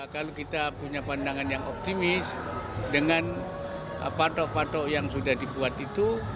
kalau kita punya pandangan yang optimis dengan patok patok yang sudah dibuat itu